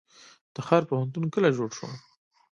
تخار پوهنتون کله جوړ شو؟